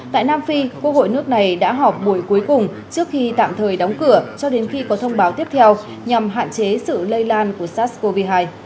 tại nam phi quốc hội nước này đã họp buổi cuối cùng trước khi tạm thời đóng cửa cho đến khi có thông báo tiếp theo nhằm hạn chế sự lây lan của sars cov hai